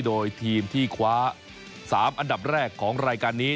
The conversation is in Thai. โดยทีมที่คว้า๓อันดับแรกของรายการนี้